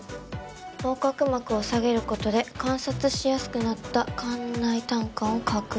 横隔膜を下げる事で観察しやすくなった肝内胆管を確認と。